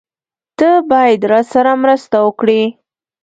تۀ باید راسره مرسته وکړې!